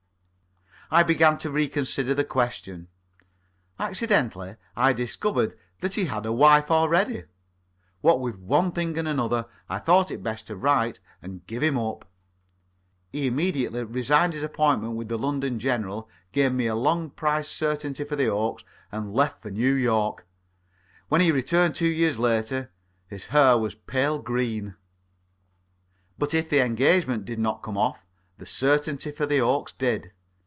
I began to re consider the question. Accidentally, I discovered that he had a wife already. What with one thing and another, I thought it best to write and give him up. He immediately resigned his appointment with the London General, gave me a long priced certainty for the Oaks, and left for New York. When he returned, two years later, his hair was pale green. But if the engagement did not come off, the certainty for the Oaks did.